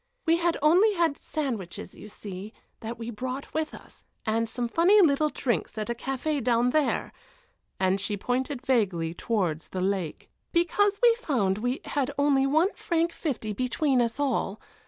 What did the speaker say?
We had only had sandwiches, you see, that we brought with us, and some funny little drinks at a café down there," and she pointed vaguely towards the lake, "because we found we had only one franc fifty between us all.